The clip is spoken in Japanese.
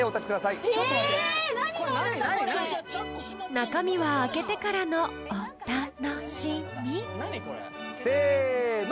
［中身は開けてからのお・た・の・し・み］せの。